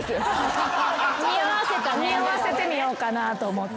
におわせてみようかなと思って。